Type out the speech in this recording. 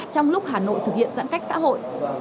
trong lúc hà nội thực hiện giãn cách xã hội